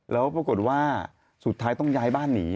แล้วปรากฏว่าสุดท้ายต้องย้ายบ้านหนี